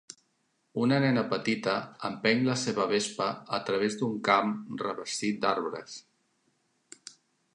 Una nena petita empeny la seva vespa a través d'un camp revestit d'arbres.